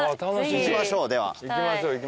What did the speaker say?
行きましょうでは。